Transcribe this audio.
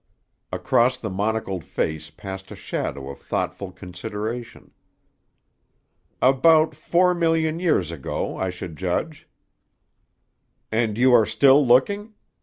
Across the monocled face passed a shadow of thoughtful consideration. "About four million years ago, I should judge." "And you are still looking?